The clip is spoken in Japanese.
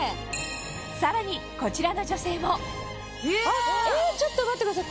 さらにこちらの女性もちょっと待ってください。